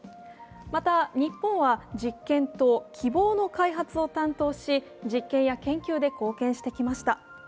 また、日本は実験棟「きぼう」の開発を担当し実験や研究で貢献してきました。